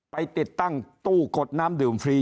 ไปติดตั้งตู้กดน้ำดื่มฟรี